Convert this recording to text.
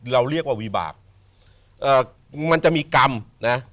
เราเรียกว่าวีบากเอ่อมันจะมีกรรมนะ